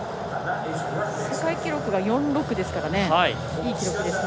世界記録が４６なのでいい記録ですね。